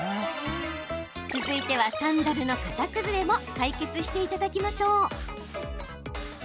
続いては、サンダルの型崩れも解決していただきましょう。